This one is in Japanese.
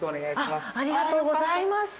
ありがとうございます。